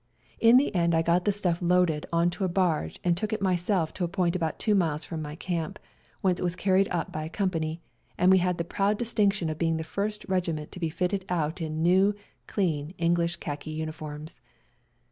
In the end I got the stuff loaded on to a barge and took it myself to a point about 2 miles from my camp, whence it was carried up by a company, and we had the proud distinc tion of being the first regiment to be fitted out in new, clean English khaki uniforms.